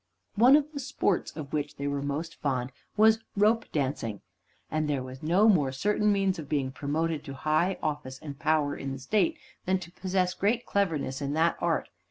One of the sports of which they were most fond was rope dancing, and there was no more certain means of being promoted to high office and power in the state than to possess great cleverness in that art.